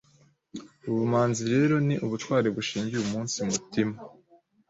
Ubumanzi rero ni ubutwari bushingiye umunsi mutima